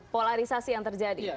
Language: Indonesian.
polarisasi yang terjadi